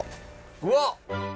うわっ！